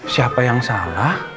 siapa yang salah